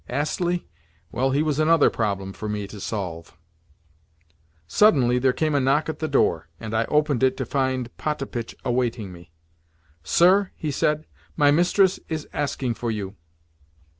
Astley? Well, he was another problem for me to solve. Suddenly there came a knock at the door, and I opened it to find Potapitch awaiting me. "Sir," he said, "my mistress is asking for you."